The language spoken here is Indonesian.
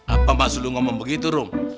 apa maksud lu ngomong begitu rum